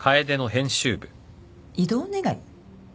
異動願い？